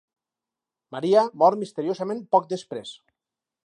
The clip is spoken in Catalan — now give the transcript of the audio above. Maria mor misteriosament poc després.